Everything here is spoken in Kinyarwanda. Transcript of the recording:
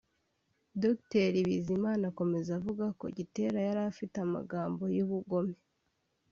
Dr Bizimana akomeza avuga ko Gitera yari afite amagambo y’ubugome